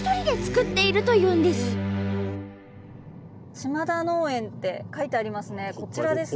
「島田農園」って書いてありますねこちらですね。